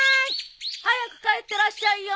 早く帰ってらっしゃいよ？